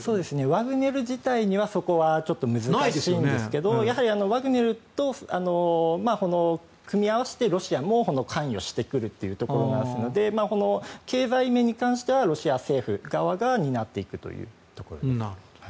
ワグネル自体はそこは難しいですがワグネルと組み合わせてロシアも関与してくるというところですので経済面に関してはロシア政府側が担っていくというところです。